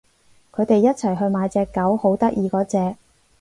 佢哋一齊去買隻狗，好得意嗰隻